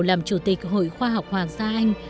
làm chủ tịch hội khoa học hoàng gia anh